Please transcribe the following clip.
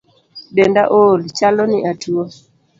Denda ool, chalo ni atuo